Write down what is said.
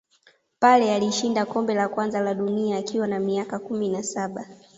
pele alishinda kombe la kwanza la dunia akiwa na miaka kumi na saba